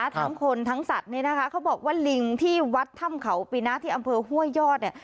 ทั้งคนทั้งสัตว์เนี่ยนะคะเขาบอกว่าลิงที่วัดถ้ำเขาปีนะที่อำเภอห้วยยอดเนี่ย